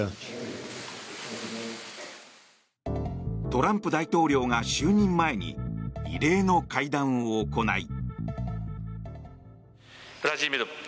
トランプ大統領が就任前に異例の会談を行い。